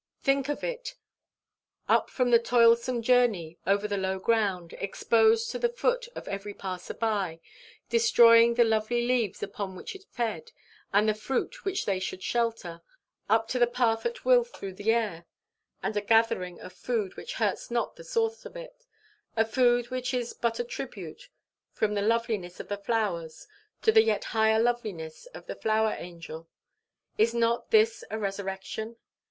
Think of it up from the toilsome journey over the low ground, exposed to the foot of every passer by, destroying the lovely leaves upon which it fed, and the fruit which they should shelter, up to the path at will through the air, and a gathering of food which hurts not the source of it, a food which is but as a tribute from the loveliness of the flowers to the yet higher loveliness of the flower angel: is not this a resurrection?